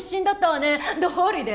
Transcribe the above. どうりで。